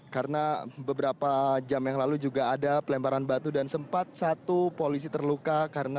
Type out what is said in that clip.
karena beberapa jam yang lalu juga ada pelemparan batu dan sempat satu polisi terluka